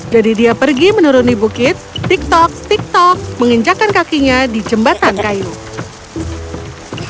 jadi dia pergi menuruni bukit tik tok tik tok menginjakan kakinya di jembatan kayu